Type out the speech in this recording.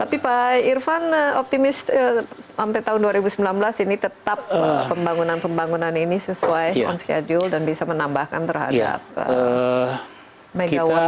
tapi pak irvan optimis sampai tahun dua ribu sembilan belas ini tetap pembangunan pembangunan ini sesuai on schedule dan bisa menambahkan terhadap megawatt